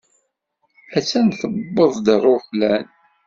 A-tt-an tewweḍ-d ṛṛuplan.